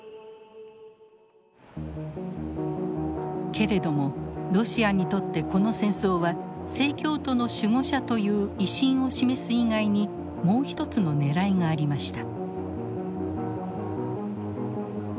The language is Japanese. けれどもロシアにとってこの戦争は正教徒の守護者という威信を示す以外にもう一つのねらいがありました。